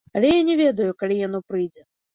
Але я не ведаю, калі яно прыйдзе.